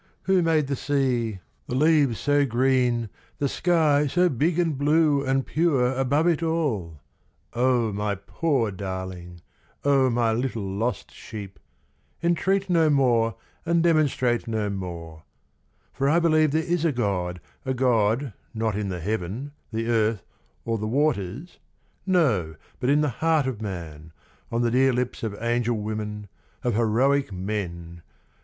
Who made the sea, the leaves so green, the sky So big and blue and pure above it all? O my poor darling, O my little lost sheep, Entreat no more and demonstrate no more; For I believe there is a God, a God Not in the heaven, the earth, or the waters; no, But in the heart of man, on the dear lips Of angel women, of heroic men!